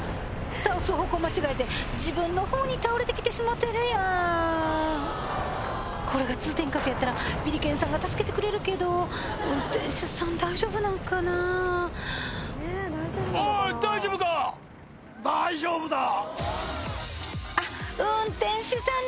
倒す方向間違えて自分の方に倒れてきてしもてるやんこれが通天閣やったらビリケンさんが助けてくれるけど運転手さん大丈夫なんかなあっ運転手さん